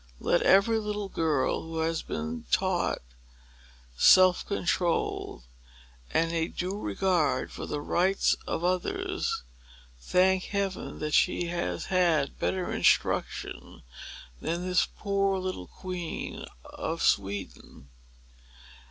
Let every little girl, who has been taught self control, and a due regard for the rights of others, thank heaven that she has had better instruction than this poor little queen of Sweden.